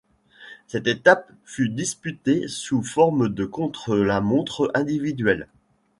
Cette étape fut disputée sous forme de contre-la-montre individuel.